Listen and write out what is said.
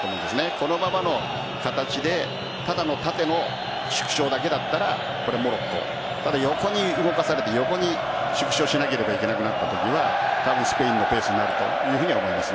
このままの形でただの縦の縮小だけだったらモロッコ横に動かされて横に縮小しなければいけなくなったときはスペインのペースになると思います。